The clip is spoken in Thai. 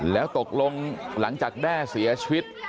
แล้วตกลงหลังจากแด้เสียชีวิต